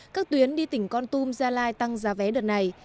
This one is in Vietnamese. các tuyến đi tỉnh con tum gia lai tăng giá vé đợt này